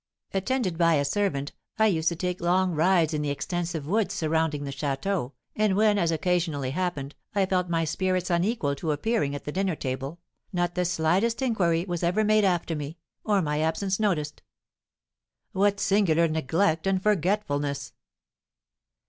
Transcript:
Attended by a servant, I used to take long rides in the extensive woods surrounding the château, and when, as occasionally happened, I felt my spirits unequal to appearing at the dinner table, not the slightest inquiry was ever made after me, or my absence noticed." "What singular neglect and forgetfulness!"